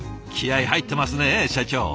気合い入ってますね社長。